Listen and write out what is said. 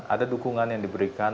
ada dukungan yang diberikan